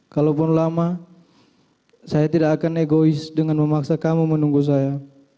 kalaupun lama saya tidak akan egois dengan memaksa kamu menunggu saya